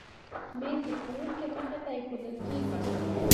مېز د ښوونکي مخې ته ایښودل کېږي.